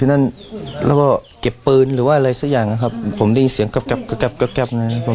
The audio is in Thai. คับรถออกไปเลยเสียใจครับคนดีต้องมาเสีย